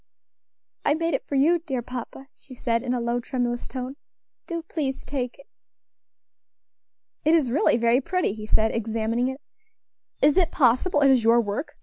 "I made it for you, dear papa," she said, in a low, tremulous tone; "do please take it." "It is really very pretty," he said, examining it; "is it possible it is your work?